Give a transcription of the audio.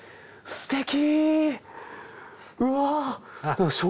すてき！